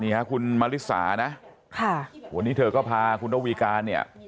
ค่ะคุณมาริสานะค่ะวันนี้เธอก็พาคุณระวีการเนี่ย